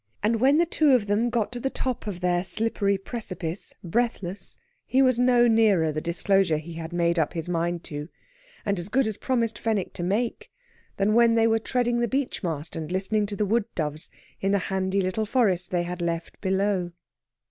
And when the two of them got to the top of their slippery precipice, breathless, he was no nearer the disclosure he had made up his mind to, and as good as promised Fenwick to make, than when they were treading the beechmast and listening to the wood doves in the handy little forest they had left below.